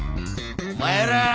お前らぁ！